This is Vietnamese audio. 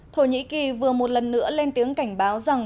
thổ nhĩ kỳ vừa một lần nữa lên tiếng cảnh báo rằng